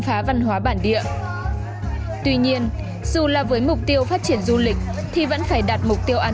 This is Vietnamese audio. phá văn hóa bản địa tuy nhiên dù là với mục tiêu phát triển du lịch thì vẫn phải đạt mục tiêu an